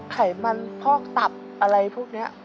ไขมันพอกตับอะไรพวกนี้